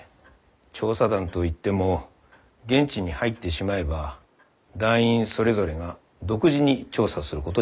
調査団と言っても現地に入ってしまえば団員それぞれが独自に調査することになっている。